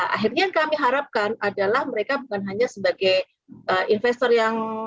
akhirnya yang kami harapkan adalah mereka bukan hanya sebagai investor yang